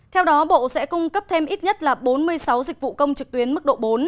theo đó bộ sẽ cung cấp thêm ít nhất là bốn mươi sáu dịch vụ công trực tuyến mức độ bốn